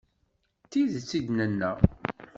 D tidet i d-nenna;